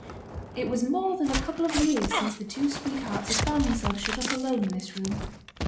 It was more than a couple of years since the two sweethearts had found themselves shut up alone in this room.